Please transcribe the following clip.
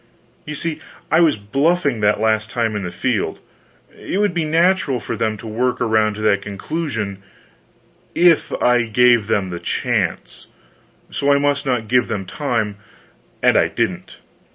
You see, I was "bluffing" that last time in the field; it would be natural for them to work around to that conclusion, if I gave them a chance. So I must not give them time; and I didn't.